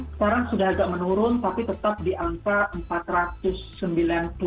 sekarang sudah agak menurun tapi tetap di angka empat ratus sembilan puluh